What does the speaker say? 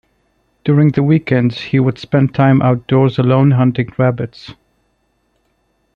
During weekends, he would spend time outdoors alone hunting rabbits.